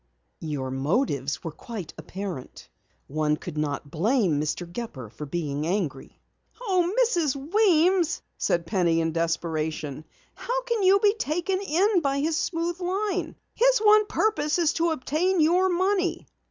"Your motives were quite apparent. One could not blame Mr. Gepper for being angry." "Oh, Mrs. Weems," said Penny in desperation. "How can you be taken in by his smooth line? His one purpose is to obtain your money."